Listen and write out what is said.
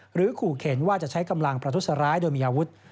หรือขู่เข็นว่าจะใช้กำลังประทุษร้ายโดยมีอาวุธ